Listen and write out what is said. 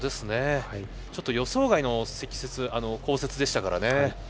ちょっと予想外の降雪でしたからね。